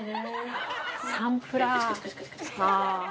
サンプラーはあ。